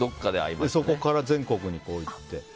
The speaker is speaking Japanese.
そこから全国に行って。